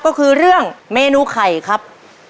ก็คือเรื่องเมนูไข่ครับ